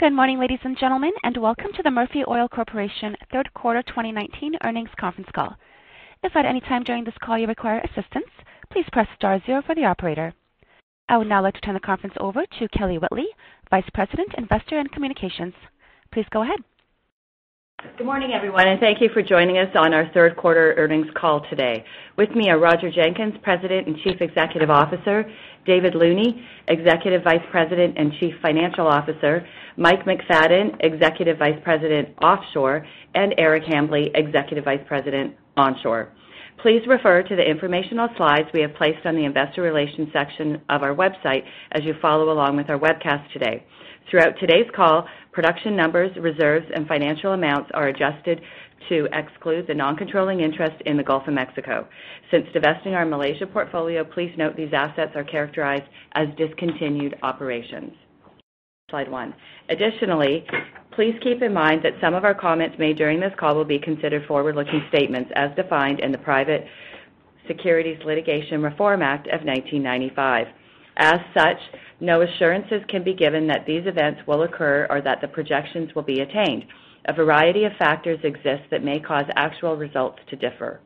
Good morning, ladies and gentlemen, and welcome to the Murphy Oil Corporation third quarter 2019 earnings conference call. If at any time during this call you require assistance, please press star zero for the operator. I would now like to turn the conference over to Kelly Whitley, Vice President, Investor and Communications. Please go ahead. Good morning, everyone. Thank you for joining us on our third quarter earnings call today. With me are Roger Jenkins, President and Chief Executive Officer, David Looney, Executive Vice President and Chief Financial Officer, Mike McFadyen, Executive Vice President, Offshore, and Eric Hambly, Executive Vice President, Offshore. Please refer to the informational slides we have placed on the investor relations section of our website as you follow along with our webcast today. Throughout today's call, production numbers, reserves, and financial amounts are adjusted to exclude the non-controlling interest in the Gulf of Mexico. Since divesting our Malaysia portfolio, please note these assets are characterized as discontinued operations. Slide one. Additionally, please keep in mind that some of our comments made during this call will be considered forward-looking statements as defined in the Private Securities Litigation Reform Act of 1995. As such, no assurances can be given that these events will occur or that the projections will be attained. A variety of factors exist that may cause actual results to differ.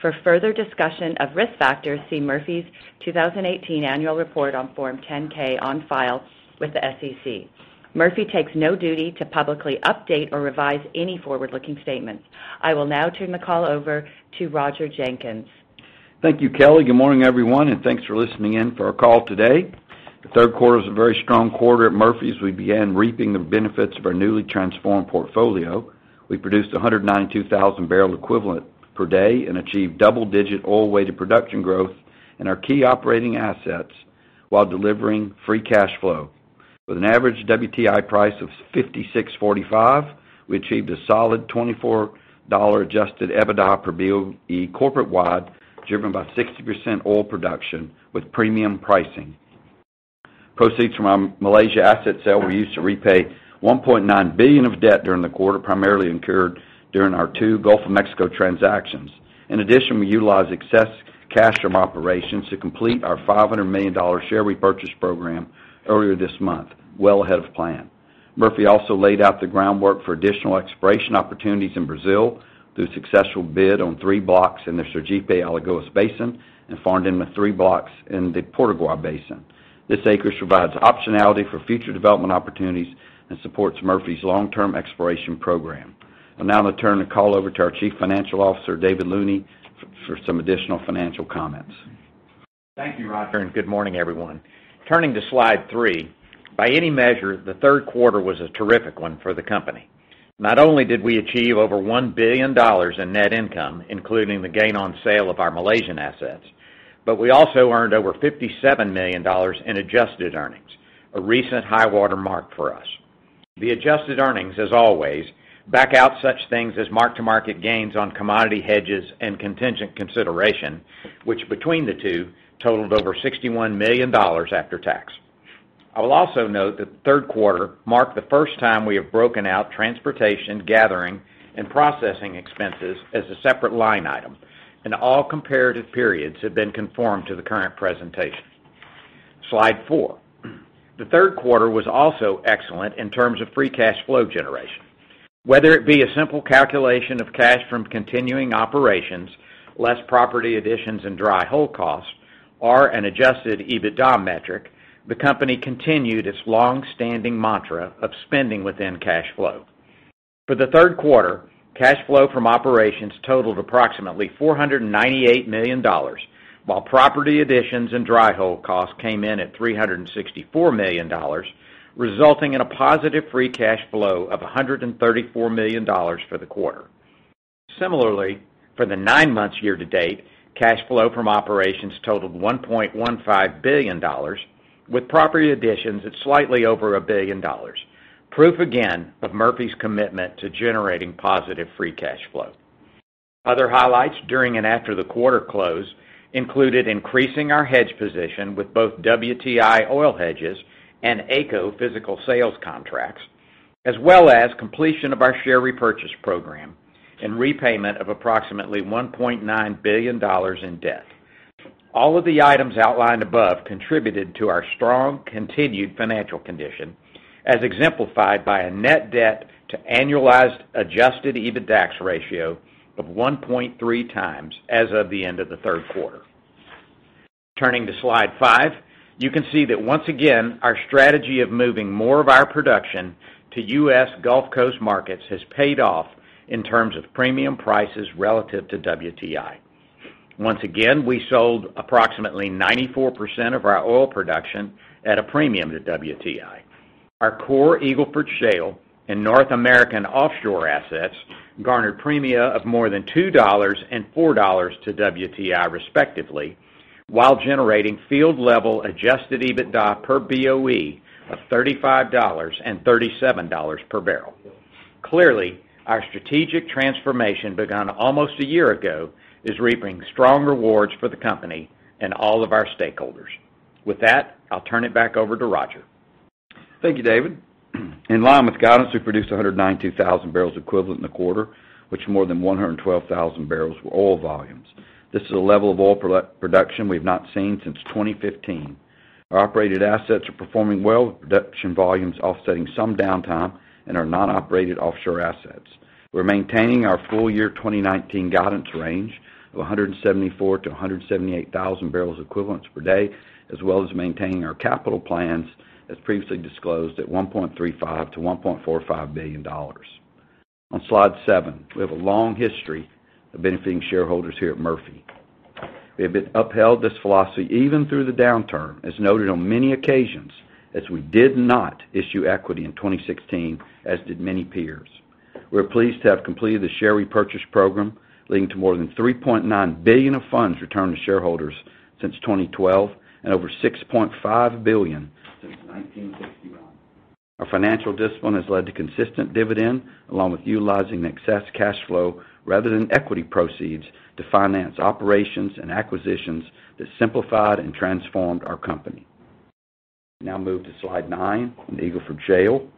For further discussion of risk factors, see Murphy's 2018 annual report on Form 10-K on file with the SEC. Murphy takes no duty to publicly update or revise any forward-looking statements. I will now turn the call over to Roger Jenkins. Thank you, Kelly. Good morning, everyone, and thanks for listening in for our call today. The third quarter was a very strong quarter at Murphy's. We began reaping the benefits of our newly transformed portfolio. We produced 192,000 barrel equivalent per day and achieved double-digit oil weighted production growth in our key operating assets while delivering free cash flow. With an average WTI price of $56.45, we achieved a solid $24 adjusted EBITDA per BOE corporate-wide, driven by 60% oil production with premium pricing. Proceeds from our Malaysia asset sale were used to repay $1.9 billion of debt during the quarter, primarily incurred during our two Gulf of Mexico transactions. In addition, we utilized excess cash from operations to complete our $500 million share repurchase program earlier this month, well ahead of plan. Murphy also laid out the groundwork for additional exploration opportunities in Brazil through a successful bid on three blocks in the Sergipe-Alagoas Basin and farmed-in the three blocks in the Potiguar Basin. This acreage provides optionality for future development opportunities and supports Murphy's long-term exploration program. I'll now turn the call over to our Chief Financial Officer, David Looney, for some additional financial comments. Thank you, Roger, and good morning, everyone. Turning to slide three. By any measure, the third quarter was a terrific one for the company. Not only did we achieve over $1 billion in net income, including the gain on sale of our Malaysian assets, but we also earned over $57 million in adjusted earnings, a recent high water mark for us. The adjusted earnings, as always, back out such things as mark-to-market gains on commodity hedges and contingent consideration, which between the two totaled over $61 million after tax. I will also note that the third quarter marked the first time we have broken out transportation, gathering, and processing expenses as a separate line item, and all comparative periods have been conformed to the current presentation. Slide four. The third quarter was also excellent in terms of free cash flow generation. Whether it be a simple calculation of cash from continuing operations, less property additions and dry hole costs, or an adjusted EBITDA metric, the company continued its longstanding mantra of spending within cash flow. For the third quarter, cash flow from operations totaled approximately $498 million, while property additions and dry hole costs came in at $364 million, resulting in a positive free cash flow of $134 million for the quarter. Similarly, for the nine months year to date, cash flow from operations totaled $1.15 billion, with property additions at slightly over $1 billion, proof again of Murphy's commitment to generating positive free cash flow. Other highlights during and after the quarter close included increasing our hedge position with both WTI oil hedges and AECO physical sales contracts, as well as completion of our share repurchase program and repayment of approximately $1.9 billion in debt. All of the items outlined above contributed to our strong continued financial condition, as exemplified by a net debt to annualized adjusted EBITDAX ratio of 1.3 times as of the end of the third quarter. Turning to slide five, you can see that once again, our strategy of moving more of our production to U.S. Gulf Coast markets has paid off in terms of premium prices relative to WTI. Once again, we sold approximately 94% of our oil production at a premium to WTI. Our core Eagle Ford Shale and North American offshore assets garnered premia of more than $2 and $4 to WTI respectively, while generating field level adjusted EBITDA per BOE of $35 and $37 per barrel. Clearly, our strategic transformation begun almost one year ago is reaping strong rewards for the company and all of our stakeholders. With that, I'll turn it back over to Roger. Thank you, David. In line with guidance, we produced 192,000 barrels equivalent in the quarter, which more than 112,000 barrels were oil volumes. This is a level of oil production we've not seen since 2015. Our operated assets are performing well, with production volumes offsetting some downtime in our non-operated offshore assets. We're maintaining our full-year 2019 guidance range of 174,000 to 178,000 barrels equivalents per day, as well as maintaining our capital plans as previously disclosed at $1.35 billion-$1.45 billion. On slide seven, we have a long history of benefiting shareholders here at Murphy. We have upheld this philosophy even through the downturn, as noted on many occasions, as we did not issue equity in 2016, as did many peers. We're pleased to have completed the share repurchase program, leading to more than $3.9 billion of funds returned to shareholders since 2012 and over $6.5 billion since 1961. Our financial discipline has led to consistent dividend, along with utilizing the excess cash flow rather than equity proceeds to finance operations and acquisitions that simplified and transformed our company. Now move to slide nine, on the Eagle Ford Shale.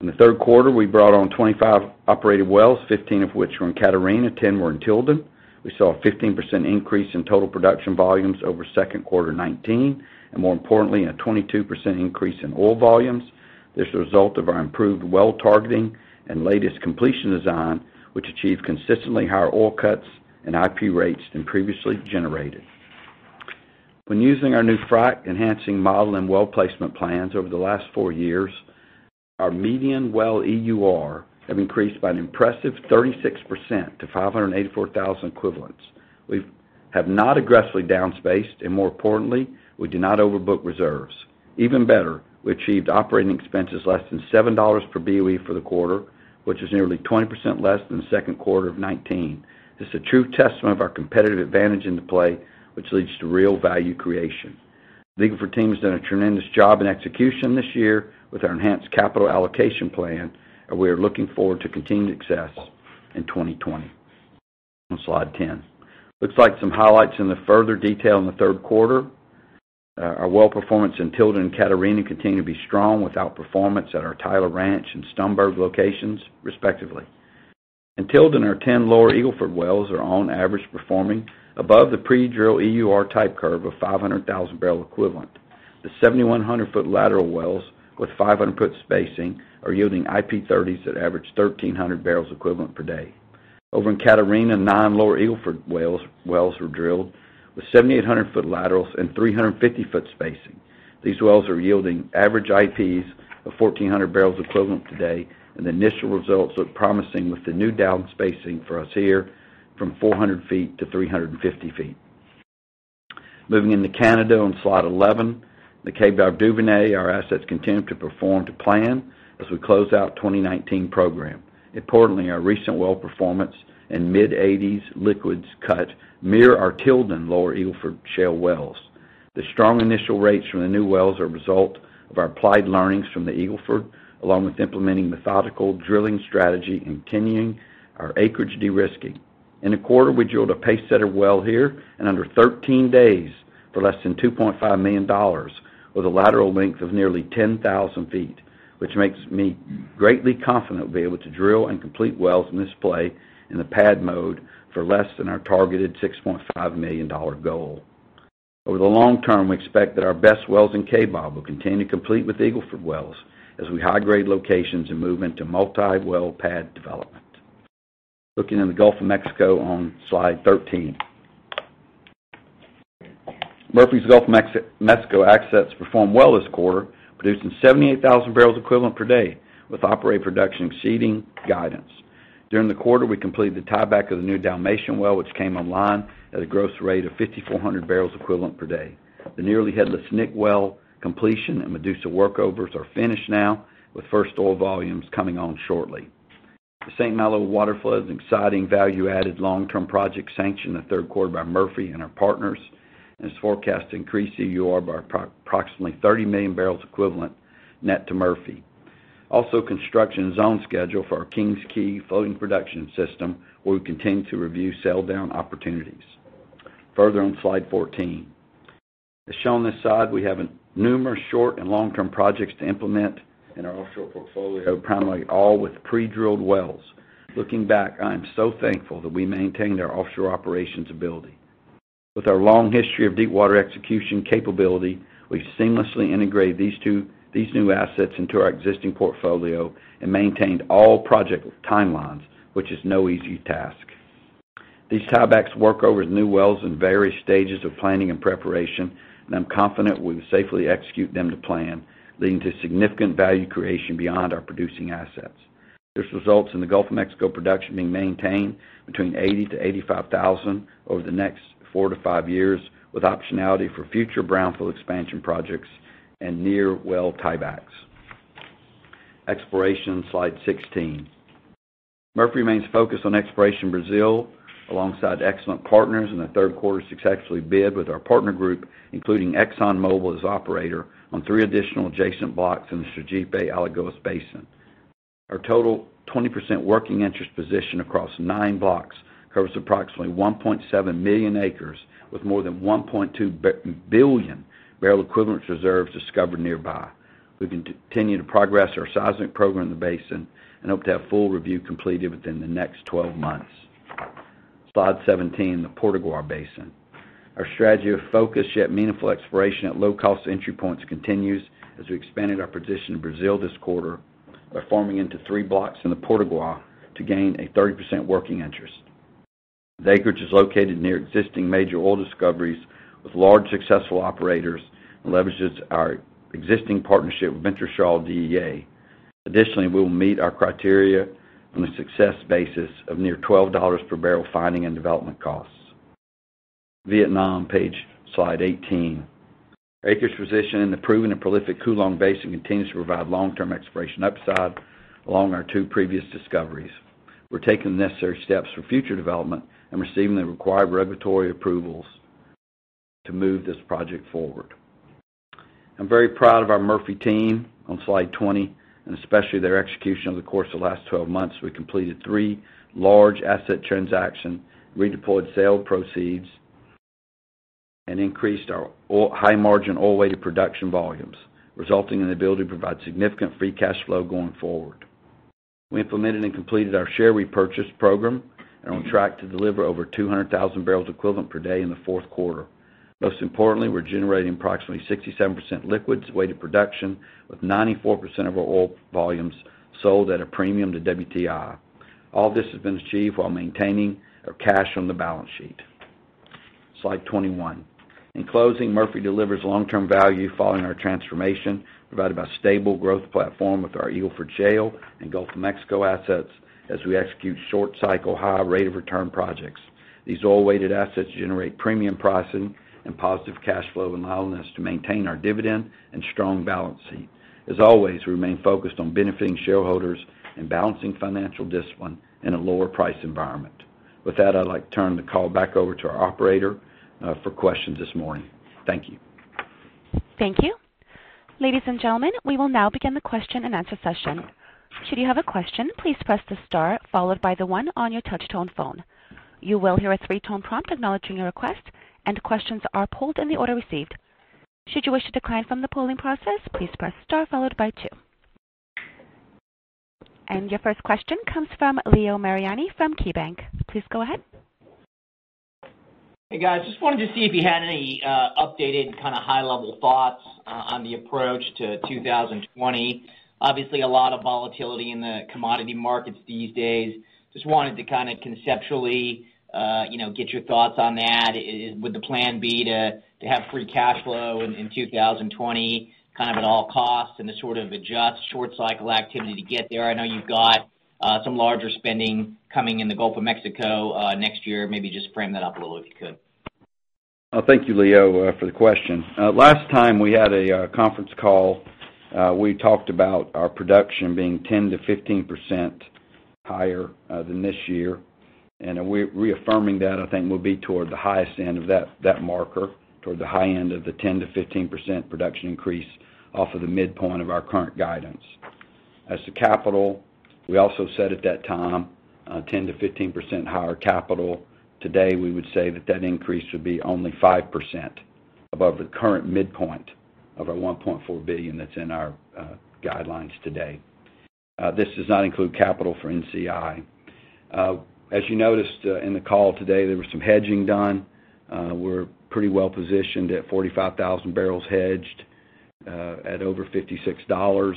In the third quarter, we brought on 25 operated wells, 15 of which were in Catarina, 10 were in Tilden. We saw a 15% increase in total production volumes over second quarter 2019, and more importantly, a 22% increase in oil volumes. This is a result of our improved well-targeting and latest completion design, which achieved consistently higher oil cuts and IP rates than previously generated. When using our new frac-enhancing model and well placement plans over the last four years, our median well EUR have increased by an impressive 36% to 584,000 equivalents. We have not aggressively down spaced, and more importantly, we do not overbook reserves. Even better, we achieved operating expenses less than $7 per BOE for the quarter, which is nearly 20% less than the second quarter of 2019. This is a true testament of our competitive advantage in the play, which leads to real value creation. The Eagle Ford team has done a tremendous job in execution this year with our enhanced capital allocation plan. We are looking forward to continued success in 2020. On slide 10. Looks like some highlights into further detail in the third quarter. Our well performance in Tilden and Catarina continue to be strong with out-performance at our Tyler Ranch and Stumberg locations, respectively. In Tilden, our 10 Lower Eagle Ford wells are on average performing above the pre-drill EUR type curve of 500,000 barrel equivalent. The 7,100-foot lateral wells with 500-foot spacing are yielding IP 30s that average 1,300 barrels equivalent per day. Over in Catarina, nine Lower Eagle Ford wells were drilled with 7,800-foot laterals and 350-foot spacing. These wells are yielding average IPs of 1,400 barrels equivalent today. The initial results look promising with the new down spacing for us here from 400 feet to 350 feet. Moving into Canada on slide 11. The Kaybob Duvernay, our assets continue to perform to plan as we close out 2019 program. Importantly, our recent well performance in mid-80s liquids cut mirror our Tilden Lower Eagle Ford Shale wells. The strong initial rates from the new wells are a result of our applied learnings from the Eagle Ford, along with implementing methodical drilling strategy and continuing our acreage de-risking. In the quarter, we drilled a pacesetter well here in under 13 days for less than $2.5 million with a lateral length of nearly 10,000 feet, which makes me greatly confident we'll be able to drill and complete wells in this play in the pad mode for less than our targeted $6.5 million goal. Over the long term, we expect that our best wells in Kaybob will continue to complete with Eagle Ford wells as we high-grade locations and move into multi-well pad development. Looking in the Gulf of Mexico on slide 13. Murphy's Gulf of Mexico assets performed well this quarter, producing 78,000 barrels equivalent per day, with operated production exceeding guidance. During the quarter, we completed the tieback of the new Dalmatian well, which came online at a gross rate of 5,400 barrels equivalent per day. The Nearly Headless Nick well completion and Medusa workovers are finished now, with first oil volumes coming on shortly. The St. Malo waterflood is an exciting value-added long-term project sanctioned in the third quarter by Murphy and our partners, and is forecast to increase EUR by approximately 30 million barrels equivalent net to Murphy. Construction is on schedule for our King's Quay floating production system, where we continue to review sell down opportunities. Further on slide 14. As shown on this slide, we have numerous short- and long-term projects to implement in our offshore portfolio, primarily all with pre-drilled wells. Looking back, I am so thankful that we maintained our offshore operations ability. With our long history of deep water execution capability, we've seamlessly integrated these new assets into our existing portfolio and maintained all project timelines, which is no easy task. These tiebacks, workovers, new wells in various stages of planning and preparation, and I'm confident we will safely execute them to plan, leading to significant value creation beyond our producing assets. This results in the Gulf of Mexico production being maintained between 80,000 to 85,000 over the next four to five years, with optionality for future brownfield expansion projects and near well tiebacks. Exploration, slide 16. Murphy remains focused on exploration Brazil, alongside excellent partners in the third quarter successfully bid with our partner group, including ExxonMobil as operator, on three additional adjacent blocks in the Sergipe-Alagoas Basin. Our total 20% working interest position across nine blocks covers approximately 1.7 million acres with more than 1.2 billion barrel equivalent reserves discovered nearby. We continue to progress our seismic program in the basin and hope to have full review completed within the next 12 months. Slide 17, the Potiguar Basin. Our strategy of focused yet meaningful exploration at low-cost entry points continues as we expanded our position in Brazil this quarter by forming into three blocks in the Potiguar to gain a 30% working interest. The acreage is located near existing major oil discoveries with large successful operators and leverages our existing partnership with Wintershall Dea. Additionally, we'll meet our criteria on a success basis of near $12 per barrel finding and development costs. Vietnam, page slide 18. Our position in the proven and prolific Cuu Long Basin continues to provide long-term exploration upside along our two previous discoveries. We're taking the necessary steps for future development and receiving the required regulatory approvals to move this project forward. I'm very proud of our Murphy team on slide 20, and especially their execution over the course of the last 12 months. We completed three large asset transaction, redeployed sale proceeds, and increased our high margin oil-weighted production volumes, resulting in the ability to provide significant free cash flow going forward. We implemented and completed our share repurchase program and are on track to deliver over 200,000 barrels equivalent per day in the fourth quarter. Most importantly, we're generating approximately 67% liquids-weighted production, with 94% of our oil volumes sold at a premium to WTI. All this has been achieved while maintaining our cash on the balance sheet. Slide 21. In closing, Murphy delivers long-term value following our transformation, provided by a stable growth platform with our Eagle Ford Shale and Gulf of Mexico assets, as we execute short cycle, high rate of return projects. These oil-weighted assets generate premium pricing and positive cash flow and allowance to maintain our dividend and strong balance sheet. As always, we remain focused on benefiting shareholders and balancing financial discipline in a lower price environment. With that, I'd like to turn the call back over to our operator for questions this morning. Thank you. Thank you. Ladies and gentlemen, we will now begin the question and answer session. Should you have a question, please press the star followed by the one on your touch tone phone. You will hear a three-tone prompt acknowledging your request, and questions are polled in the order received. Should you wish to decline from the polling process, please press star followed by two. Your first question comes from Leo Mariani from KeyBanc. Please go ahead. Hey, guys. Just wanted to see if you had any updated high-level thoughts on the approach to 2020. Obviously, a lot of volatility in the commodity markets these days. Just wanted to conceptually get your thoughts on that. Would the plan be to have free cash flow in 2020 at all costs and then sort of adjust short cycle activity to get there? I know you've got some larger spending coming in the Gulf of Mexico next year. Maybe just frame that up a little, if you could. Thank you, Leo, for the question. Last time we had a conference call, we talked about our production being 10%-15% higher than this year. Reaffirming that, I think, will be toward the highest end of that marker, toward the high end of the 10%-15% production increase off of the midpoint of our current guidance. As to capital, we also said at that time 10%-15% higher capital. Today, we would say that that increase would be only 5% above the current midpoint of our $1.4 billion that's in our guidelines today. This does not include capital for NCI. As you noticed in the call today, there was some hedging done. We are pretty well positioned at 45,000 barrels hedged at over $56.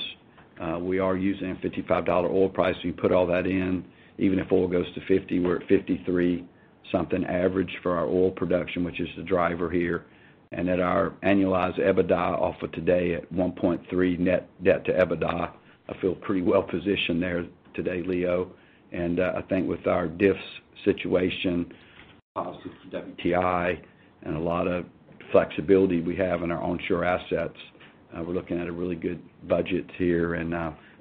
We are using a $55 oil price. We put all that in. Even if oil goes to $50, we're at $53 something average for our oil production, which is the driver here. At our annualized EBITDA off of today at 1.3 net debt to EBITDA, I feel pretty well positioned there today, Leo. I think with our diffs situation, WTI, and a lot of flexibility we have in our onshore assets, we're looking at really good budgets here and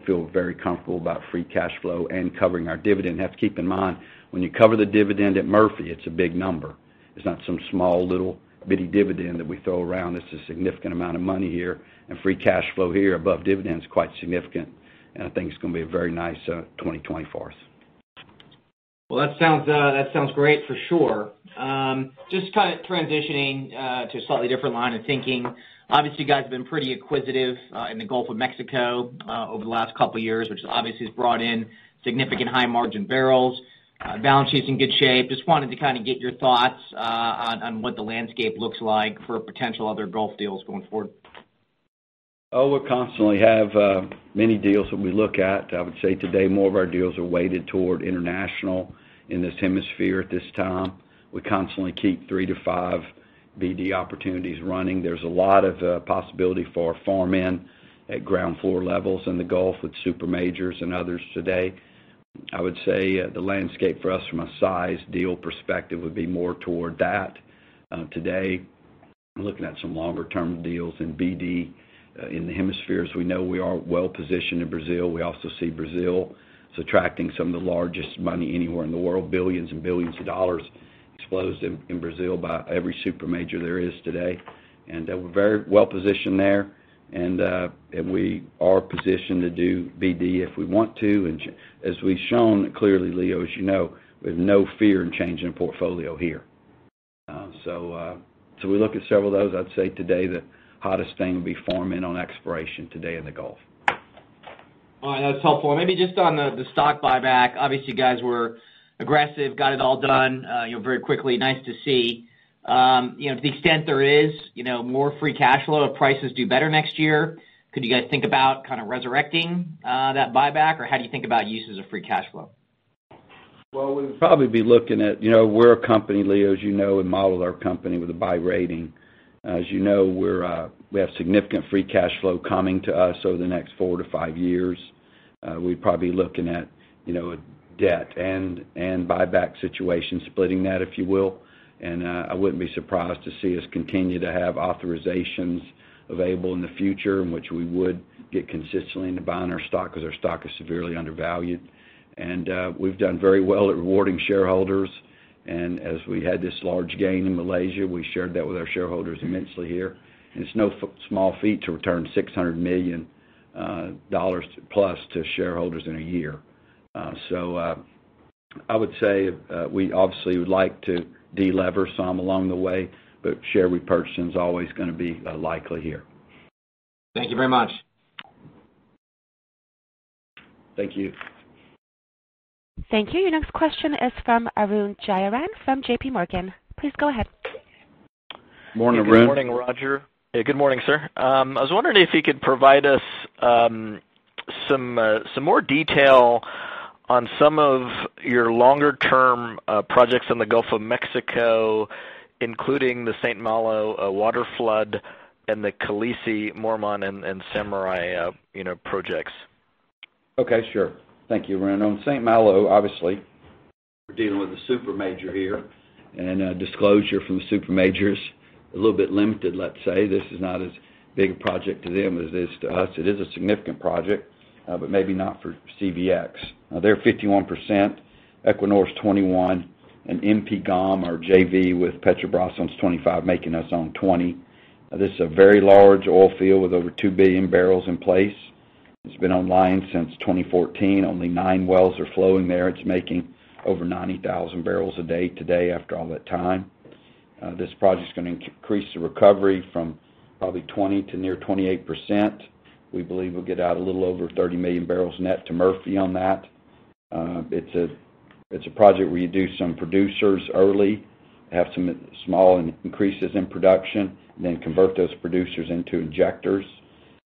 feel very comfortable about free cash flow and covering our dividend. Have to keep in mind, when you cover the dividend at Murphy, it's a big number. It's not some small little bitty dividend that we throw around. It's a significant amount of money here, and free cash flow here above dividend is quite significant. I think it's going to be a very nice 2024. Well, that sounds great for sure. Just kind of transitioning to a slightly different line of thinking. Obviously, you guys have been pretty acquisitive in the Gulf of Mexico over the last couple of years, which obviously has brought in significant high-margin barrels. Balance sheet's in good shape. Just wanted to get your thoughts on what the landscape looks like for potential other Gulf deals going forward. Oh, we constantly have many deals that we look at. I would say today more of our deals are weighted toward international in this hemisphere at this time. We constantly keep 3 to 5 BD opportunities running. There's a lot of possibility for farm in at ground floor levels in the Gulf with super majors and others today. I would say the landscape for us from a size deal perspective would be more toward that today. We're looking at some longer-term deals in BD in the hemispheres. We know we are well positioned in Brazil. We also see Brazil attracting some of the largest money anywhere in the world, billions and billions of dollars exposed in Brazil by every super major there is today. We're very well positioned there, and we are positioned to do BD if we want to. As we've shown clearly, Leo, as you know, we have no fear in changing the portfolio here. We look at several of those. I'd say today the hottest thing would be farm in on exploration today in the Gulf. Well, that's helpful. Maybe just on the stock buyback. Obviously, you guys were aggressive, got it all done very quickly. Nice to see. To the extent there is more free cash flow, if prices do better next year, could you guys think about resurrecting that buyback, or how do you think about uses of free cash flow? Well, we will probably be looking at, we are a company, Leo Mariani, as you know, we model our company with a buy rating. As you know, we have significant free cash flow coming to us over the next four to five years. We would probably be looking at a debt and buyback situation, splitting that, if you will. I would not be surprised to see us continue to have authorizations available in the future, in which we would get consistently into buying our stock, because our stock is severely undervalued. We have done very well at rewarding shareholders. As we had this large gain in Malaysia, we shared that with our shareholders immensely here. It is no small feat to return $600 million plus to shareholders in a year. I would say we obviously would like to de-lever some along the way, but share repurchase is always going to be likely here. Thank you very much. Thank you. Thank you. Your next question is from Arun Jayaram from JPMorgan. Please go ahead. Morning, Arun. Good morning, Roger. Good morning, sir. I was wondering if you could provide us some more detail on some of your longer-term projects in the Gulf of Mexico, including the St. Malo waterflood and the Khaleesi, Mormont, and Samurai projects. Okay, sure. Thank you, Arun. On St. Malo, obviously, we're dealing with a super major here. Disclosure from super major is a little bit limited, let's say. This is not as big a project to them as it is to us. It is a significant project, maybe not for CVX. They're 51%, Equinor's 21%, MP GOM, our JV with Petrobras, owns 25%, making us own 20%. This is a very large oil field with over 2 billion barrels in place. It's been online since 2014. Only nine wells are flowing there. It's making over 90,000 barrels a day today after all that time. This project's going to increase the recovery from probably 20% to near 28%. We believe we'll get out a little over 30 million barrels net to Murphy on that. It's a project where you do some producers early, have some small increases in production, then convert those producers into injectors.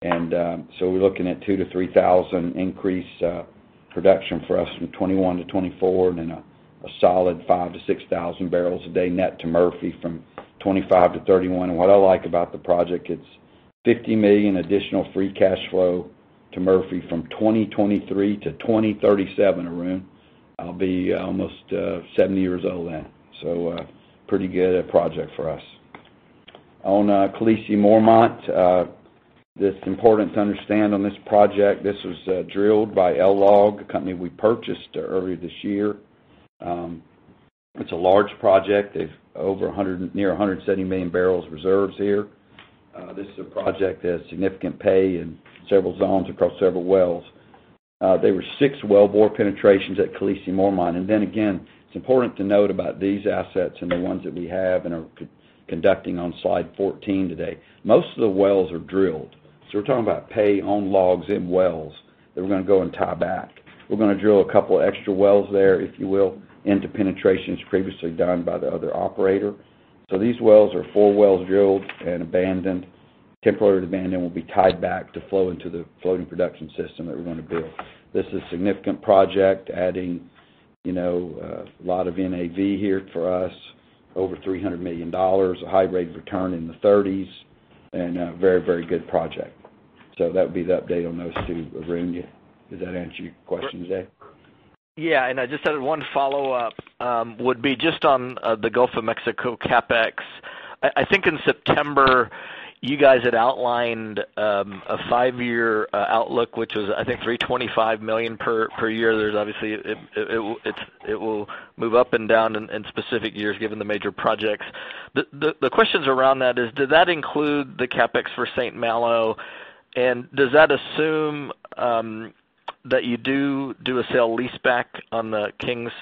We're looking at 2,000-3,000 increase production for us from 2021-2024, then a solid 5,000-6,000 barrels a day net to Murphy from 2025-2031. What I like about the project, it's $50 million additional free cash flow to Murphy from 2023-2037, Arun. I'll be almost 70 years old then. Pretty good project for us. On Khaleesi/Mormont, that's important to understand on this project, this was drilled by LLOG, a company we purchased early this year. It's a large project. They've over near 170 million barrels reserves here. This is a project that has significant pay in several zones across several wells. There were six well bore penetrations at Khaleesi/Mormont. Again, it's important to note about these assets and the ones that we have and are conducting on slide 14 today. Most of the wells are drilled. We're talking about pay on logs in wells that we're going to go and tie back. We're going to drill a couple extra wells there, if you will, into penetrations previously done by the other operator. These wells are four wells drilled and abandoned, temporarily abandoned, will be tied back to flow into the floating production system that we're going to build. This is a significant project, adding a lot of NAV here for us, over $300 million, a high rate of return in the 30s, and a very good project. That would be the update on those two, Arun. Does that answer your question today? I just had one follow-up, would be just on the Gulf of Mexico CapEx. I think in September, you guys had outlined a five-year outlook, which was I think $325 million per year. There's obviously, it will move up and down in specific years given the major projects. The questions around that is, did that include the CapEx for St. Malo, and does that assume that you do a sale leaseback on the King's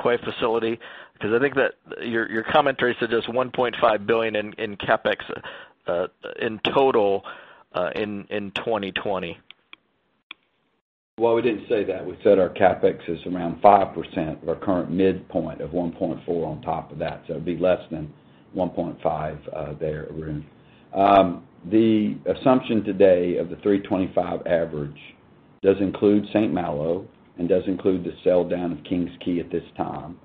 Quay facility? I think that your commentary said just $1.5 billion in CapEx in total in 2020. Well, we didn't say that. We said our CapEx is around 5% of our current midpoint of $1.4 on top of that. It'd be less than $1.5 there, Arun. The assumption today of the 325 average does include St. Malo and does include the sell-down of King's Quay at this time,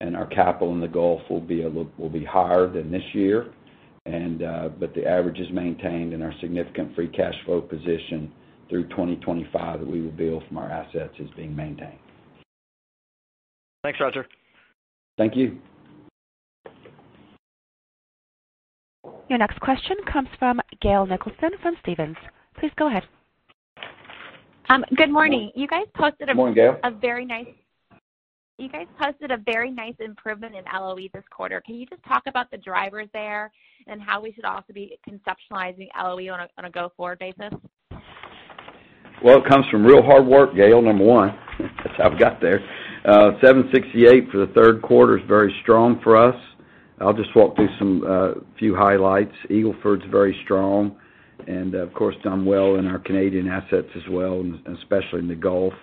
and our capital in the Gulf will be higher than this year. The average is maintained, and our significant free cash flow position through 2025 that we will build from our assets is being maintained. Thanks, Roger. Thank you. Your next question comes from Gail Nicholson from Stephens. Please go ahead. Good morning. Good morning, Gail. You guys posted a very nice improvement in LOE this quarter. Can you just talk about the drivers there and how we should also be conceptualizing LOE on a go-forward basis? Well, it comes from real hard work, Gail, number one. That's how I've got there. $768 for the third quarter is very strong for us. I'll just walk through some few highlights. Eagle Ford's very strong, of course, done well in our Canadian assets as well, especially in the Gulf.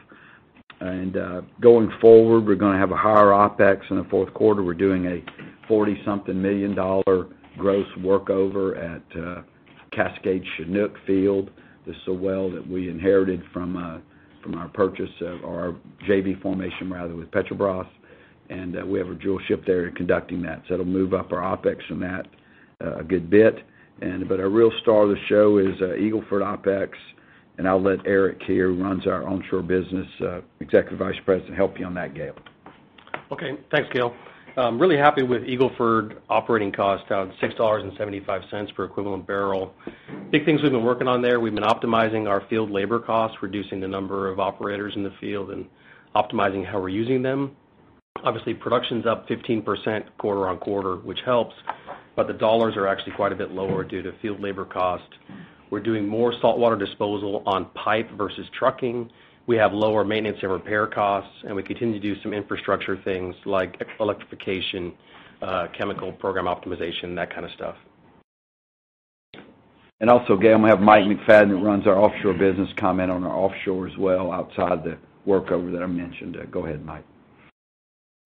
Going forward, we're going to have a higher OPEX in the fourth quarter. We're doing a $40 something million gross workover at Cascade, Chinook field. This is a well that we inherited from our purchase of our JV formation, rather, with Petrobras, we have a drill ship there conducting that. It'll move up our OPEX on that a good bit. Our real star of the show is Eagle Ford OPEX, I'll let Eric here, who runs our onshore business, Executive Vice President, help you on that, Gail. Okay. Thanks, Gail. I'm really happy with Eagle Ford operating cost, down $6.75 per equivalent barrel. Big things we've been working on there, we've been optimizing our field labor costs, reducing the number of operators in the field, and optimizing how we're using them. Obviously, production's up 15% quarter-on-quarter, which helps. The dollars are actually quite a bit lower due to field labor cost. We're doing more saltwater disposal on pipe versus trucking. We have lower maintenance and repair costs. We continue to do some infrastructure things like electrification, chemical program optimization, that kind of stuff. Also, Gail, I'm going to have Mike McFadyen, who runs our offshore business, comment on our offshore as well, outside the workover that I mentioned. Go ahead, Mike.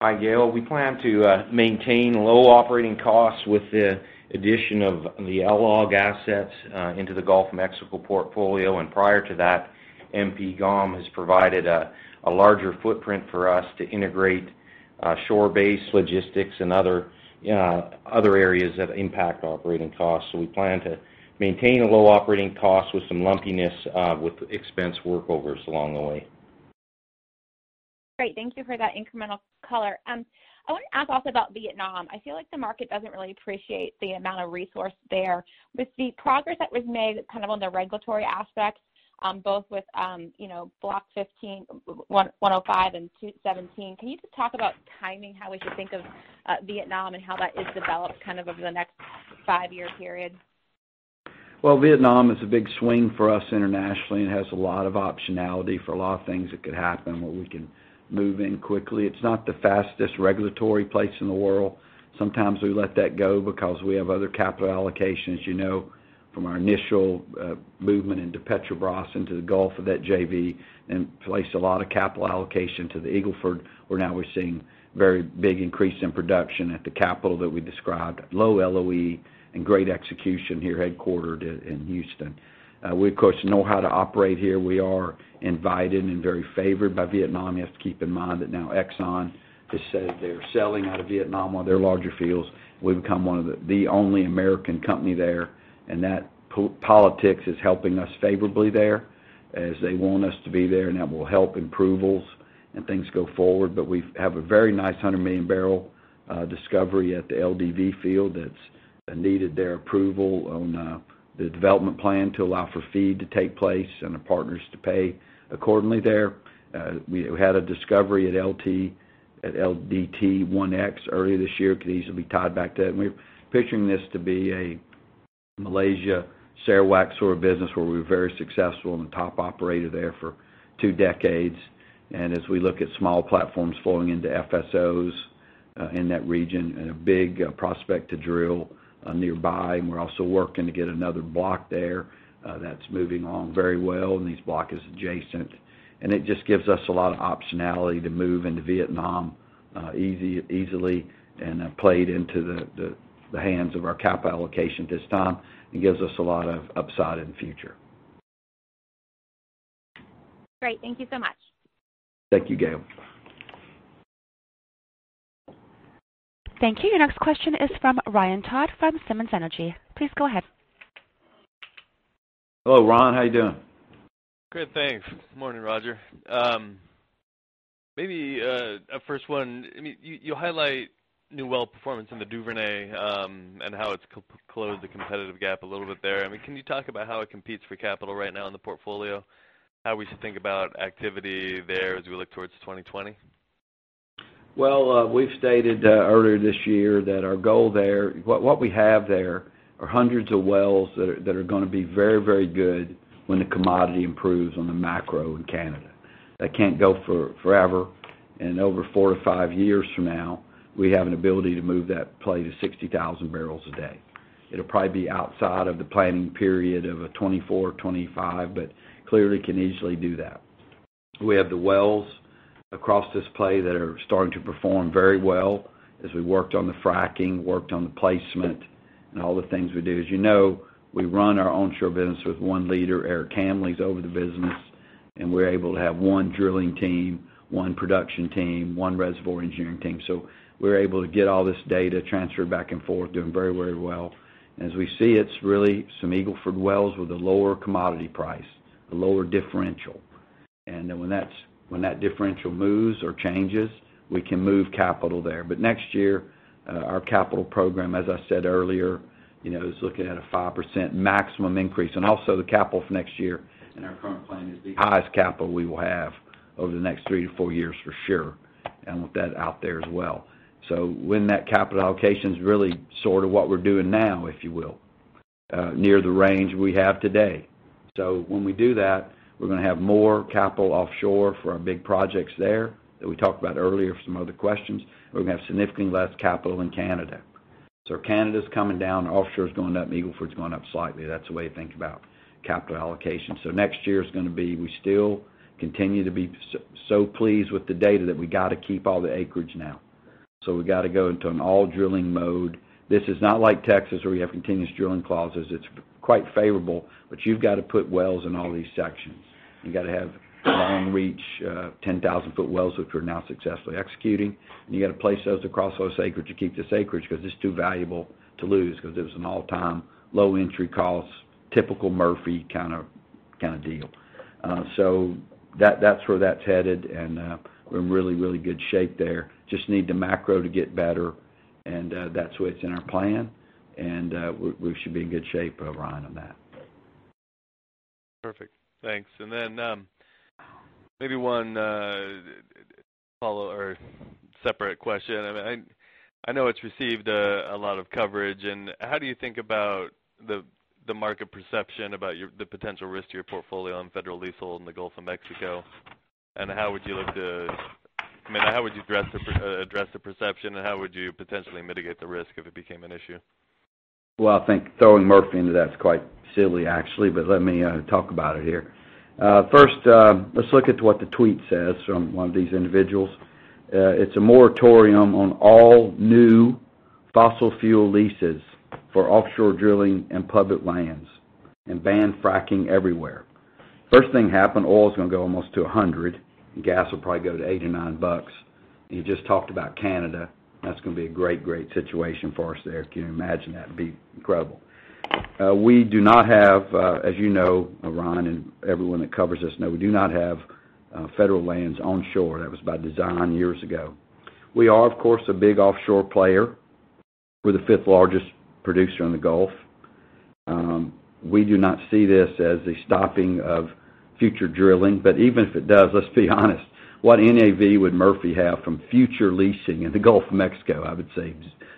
Hi, Gail. We plan to maintain low operating costs with the addition of the LLOG assets into the Gulf of Mexico portfolio. Prior to that, MP GOM has provided a larger footprint for us to integrate shore-based logistics and other areas that impact operating costs. We plan to maintain a low operating cost with some lumpiness with expense workovers along the way. Great. Thank you for that incremental color. I want to ask also about Vietnam. I feel like the market doesn't really appreciate the amount of resource there. With the progress that was made on the regulatory aspect, both with Block 105 and Block 17, can you just talk about timing, how we should think of Vietnam, and how that is developed over the next five-year period? Well, Vietnam is a big swing for us internationally, and has a lot of optionality for a lot of things that could happen, where we can move in quickly. It's not the fastest regulatory place in the world. Sometimes we let that go because we have other capital allocations from our initial movement into Petrobras, into the Gulf of that JV, and placed a lot of capital allocation to the Eagle Ford, where now we're seeing very big increase in production at the capital that we described, low LOE and great execution here, headquartered in Houston. We, of course, know how to operate here. We are invited and very favored by Vietnam. You have to keep in mind that now Exxon has said they're selling out of Vietnam, one of their larger fields. We've become the only American company there. That politics is helping us favorably there, as they want us to be there, and that will help approvals and things go forward. We have a very nice 100 million barrel discovery at the LDV field that's needed their approval on the development plan to allow for FEED to take place and the partners to pay accordingly there. We had a discovery at LDT-1X earlier this year. Could easily be tied back to that. We're picturing this to be a Malaysia, Sarawak sort of business, where we were very successful and the top operator there for two decades. As we look at small platforms flowing into FSOs in that region and a big prospect to drill nearby. We're also working to get another block there that's moving along very well. This block is adjacent. It just gives us a lot of optionality to move into Vietnam easily and have played into the hands of our capital allocation at this time, and gives us a lot of upside in the future. Great. Thank you so much. Thank you, Gail. Thank you. Your next question is from Ryan Todd from Simmons Energy. Please go ahead. Hello, Ryan. How you doing? Great, thanks. Morning, Roger. Maybe a first one. You highlight new well performance in the Duvernay, and how it's closed the competitive gap a little bit there. Can you talk about how it competes for capital right now in the portfolio? How we should think about activity there as we look towards 2020? Well, we've stated earlier this year that what we have there are hundreds of wells that are going to be very good when the commodity improves on the macro in Canada. That can't go for forever. Over four to five years from now, we have an ability to move that play to 60,000 barrels a day. It'll probably be outside of the planning period of a 2024, 2025, but clearly can easily do that. We have the wells across this play that are starting to perform very well as we worked on the fracking, worked on the placement and all the things we do. As you know, we run our onshore business with one leader, Eric Hambly's over the business, and we're able to have one drilling team, one production team, one reservoir engineering team. We're able to get all this data transferred back and forth, doing very well. As we see, it's really some Eagle Ford wells with a lower commodity price, a lower differential. When that differential moves or changes, we can move capital there. Next year, our capital program, as I said earlier, is looking at a 5% maximum increase. The capital for next year in our current plan is the highest capital we will have over the next three to four years, for sure. With that out there as well. When that capital allocation's really sort of what we're doing now, if you will, near the range we have today. When we do that, we're going to have more capital offshore for our big projects there that we talked about earlier for some other questions. We're going to have significantly less capital in Canada. Canada's coming down, offshore's going up, Eagle Ford's going up slightly. That's the way to think about capital allocation. Next year is going to be, we still continue to be so pleased with the data that we got to keep all the acreage now. We got to go into an all drilling mode. This is not like Texas where we have continuous drilling clauses. It's quite favorable, but you've got to put wells in all these sections. You've got to have long reach, 10,000-foot wells, which we're now successfully executing, and you got to place those across those acreage to keep this acreage because it's too valuable to lose because it was an all-time low entry cost, typical Murphy kind of deal. That's where that's headed, and we're in really good shape there. Just need the macro to get better, and that's what's in our plan, and we should be in good shape, Roger, on that. Perfect. Thanks. Then maybe one follow or separate question. I know it's received a lot of coverage, how do you think about the market perception about the potential risk to your portfolio on federal leasehold in the Gulf of Mexico? How would you address the perception, and how would you potentially mitigate the risk if it became an issue? Well, I think throwing Murphy into that is quite silly, actually, but let me talk about it here. First, let's look at what the tweet says from one of these individuals. It's a moratorium on all new fossil fuel leases for offshore drilling and public lands and ban fracking everywhere. First thing happened, oil's going to go almost to $100, and gas will probably go to eight or nine bucks. You just talked about Canada. That's going to be a great situation for us there. Can you imagine? That'd be incredible. We do not have, as you know, Ron, and everyone that covers us know, we do not have federal lands onshore. That was by design years ago. We are, of course, a big offshore player. We're the fifth largest producer in the Gulf. We do not see this as a stopping of future drilling. Even if it does, let's be honest, what NAV would Murphy have from future leasing in the Gulf of Mexico? I would say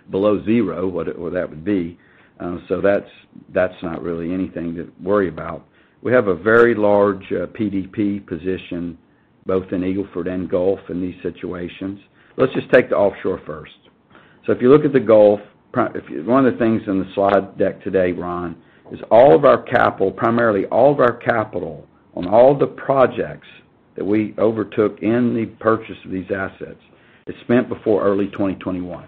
below zero, what that would be. That's not really anything to worry about. We have a very large PDP position both in Eagle Ford and Gulf in these situations. Let's just take the offshore first. If you look at the Gulf, one of the things in the slide deck today, Ron, is all of our capital, primarily all of our capital on all the projects that we overtook in the purchase of these assets is spent before early 2021.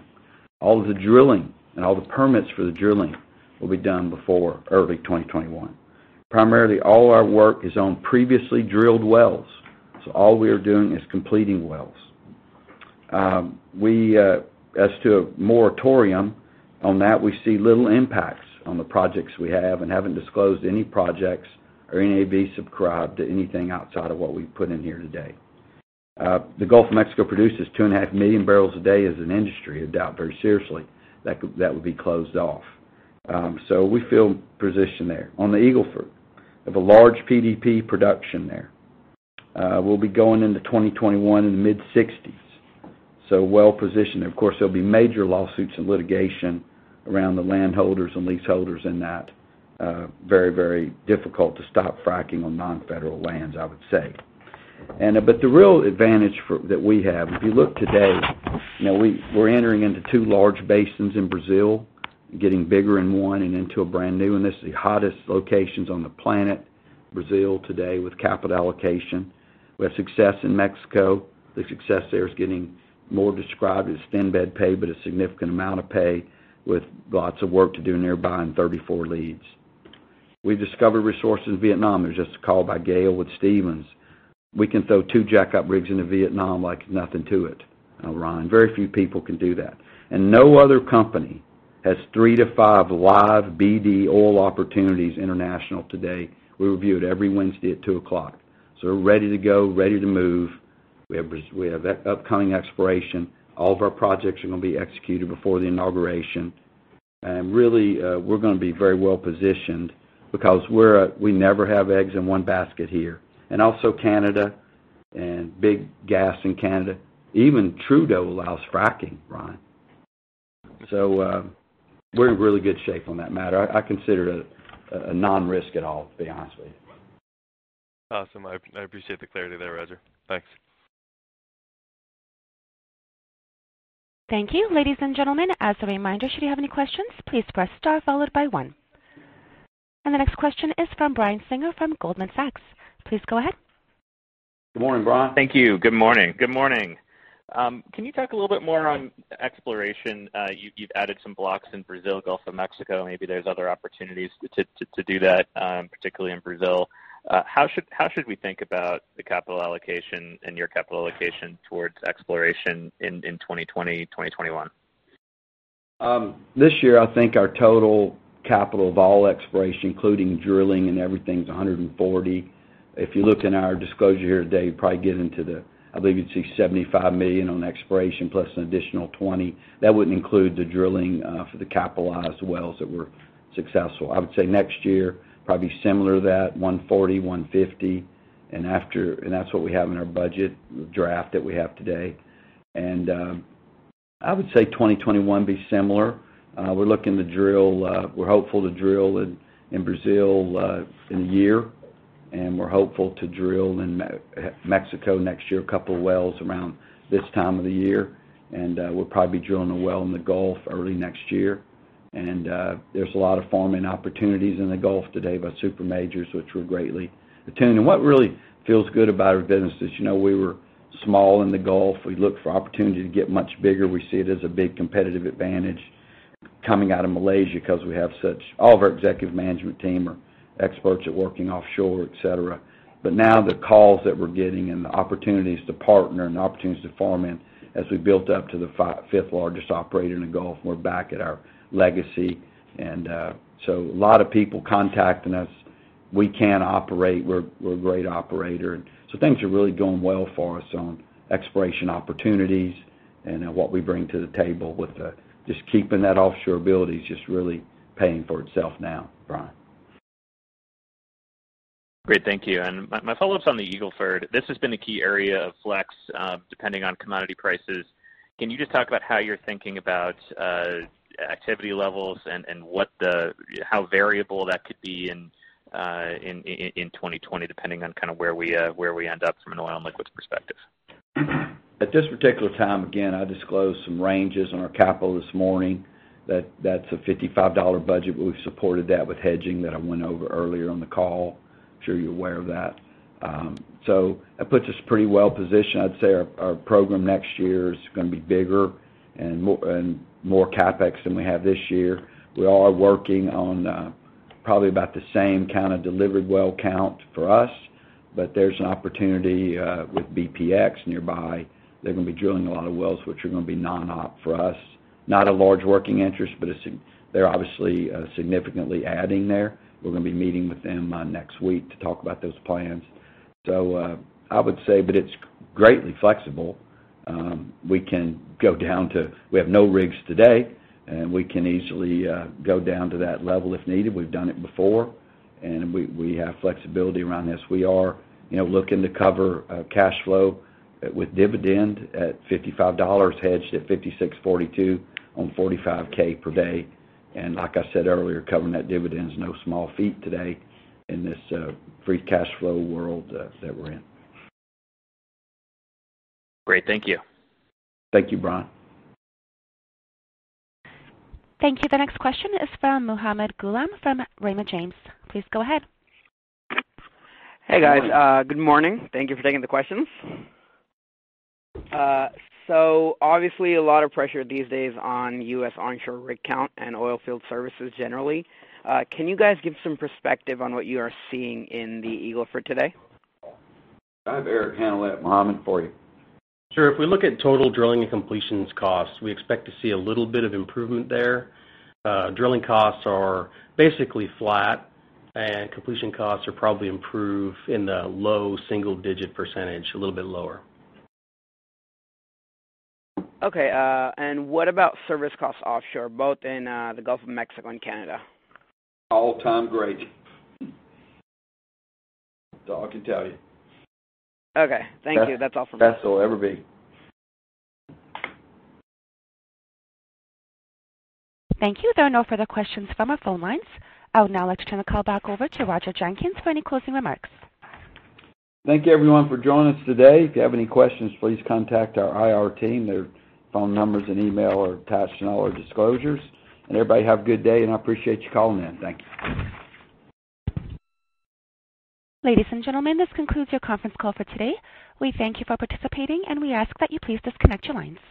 All of the drilling and all the permits for the drilling will be done before early 2021. Primarily, all our work is on previously drilled wells, so all we are doing is completing wells. As to a moratorium, on that we see little impacts on the projects we have and haven't disclosed any projects or any AV subscribed to anything outside of what we've put in here today. The Gulf of Mexico produces two and a half million barrels a day as an industry. I doubt very seriously that would be closed off. We feel positioned there. On the Eagle Ford, we have a large PDP production there. We'll be going into 2021 in the mid-60s, well-positioned. Of course, there'll be major lawsuits and litigation around the landholders and leaseholders in that. Very difficult to stop fracking on non-federal lands, I would say. The real advantage that we have, if you look today, we're entering into two large basins in Brazil, getting bigger in one and into a brand new, and this is the hottest locations on the planet, Brazil today with capital allocation. We have success in Mexico. The success there is getting more described as thin bed pay, but a significant amount of pay with lots of work to do nearby and 34 leads. We discovered resources in Vietnam. There's just a call by Gail with Stephens. We can throw two jackup rigs into Vietnam like nothing to it, Ron. Very few people can do that. No other company has three to five live BD oil opportunities international today. We review it every Wednesday at 2:00. We're ready to go, ready to move. We have upcoming exploration. All of our projects are going to be executed before the inauguration. Really, we're going to be very well-positioned because we never have eggs in one basket here. Also Canada and big gas in Canada. Even Trudeau allows fracking, Ron. We're in really good shape on that matter. I consider it a non-risk at all, to be honest with you. Awesome. I appreciate the clarity there, Roger. Thanks. Thank you. Ladies and gentlemen, as a reminder, should you have any questions, please press star followed by one. The next question is from Brian Singer from Goldman Sachs. Please go ahead. Good morning, Brian. Thank you. Good morning. Can you talk a little bit more on exploration? You've added some blocks in Brazil, Gulf of Mexico. Maybe there's other opportunities to do that, particularly in Brazil. How should we think about the capital allocation and your capital allocation towards exploration in 2020, 2021? This year, I think our total CapEx of all exploration, including drilling and everything's $140. If you look in our disclosure here today, you'd probably get into the, I believe you'd see $75 million on exploration plus an additional $20. That wouldn't include the drilling for the capitalized wells that were successful. I would say next year, probably similar to that, $140, $150. That's what we have in our budget draft that we have today. I would say 2021 will be similar. We're hopeful to drill in Brazil in a year, and we're hopeful to drill in Mexico next year, a couple wells around this time of the year. We'll probably be drilling a well in the Gulf early next year. There's a lot of farming opportunities in the Gulf today by super majors, which we're greatly attuned. What really feels good about our business is, we were small in the Gulf. We looked for opportunity to get much bigger. We see it as a big competitive advantage coming out of Malaysia because all of our executive management team are experts at working offshore, et cetera. Now the calls that we're getting, and the opportunities to partner, and the opportunities to farm in as we built up to the fifth largest operator in the Gulf, we're back at our legacy. A lot of people contacting us. We can operate. We're a great operator. Things are really going well for us on exploration opportunities, and what we bring to the table with just keeping that offshore ability is just really paying for itself now, Brian. Great. Thank you. My follow-up's on the Eagle Ford. This has been a key area of flex, depending on commodity prices. Can you just talk about how you're thinking about activity levels, and how variable that could be in 2020, depending on where we end up from an oil and liquids perspective? At this particular time, again, I disclosed some ranges on our capital this morning, that's a $55 budget, but we've supported that with hedging that I went over earlier on the call. I'm sure you're aware of that. That puts us pretty well-positioned. I'd say our program next year is going to be bigger and more CapEx than we have this year. We are working on probably about the same kind of delivered well count for us, but there's an opportunity with bpx nearby. They're going to be drilling a lot of wells, which are going to be non-op for us. Not a large working interest, but they're obviously significantly adding there. We're going to be meeting with them next week to talk about those plans. I would say, but it's greatly flexible. We have no rigs today, and we can easily go down to that level if needed. We've done it before, and we have flexibility around this. We are looking to cover cash flow with dividend at $55, hedged at $56.42 on 45K per day. Like I said earlier, covering that dividend is no small feat today in this free cash flow world that we're in. Great. Thank you. Thank you, Brian. Thank you. The next question is from Pavel Molchanov from Raymond James. Please go ahead. Hey, guys. Good morning. Thank you for taking the questions. Obviously, a lot of pressure these days on U.S. onshore rig count and oilfield services generally. Can you guys give some perspective on what you are seeing in the Eagle Ford today? I'll have Eric handle that, Muhammed, for you. Sure. If we look at total drilling and completions costs, we expect to see a little bit of improvement there. Drilling costs are basically flat. Completion costs are probably improved in the low single-digit %, a little bit lower. Okay. What about service costs offshore, both in the Gulf of Mexico and Canada? All-time great. That's all I can tell you. Okay. Thank you. That's all for me. Best it'll ever be. Thank you. There are no further questions from our phone lines. I would now like to turn the call back over to Roger Jenkins for any closing remarks. Thank you everyone for joining us today. If you have any questions, please contact our IR team. Their phone numbers and email are attached in all our disclosures. Everybody have a good day, and I appreciate you calling in. Thank you. Ladies and gentlemen, this concludes your conference call for today. We thank you for participating. We ask that you please disconnect your lines.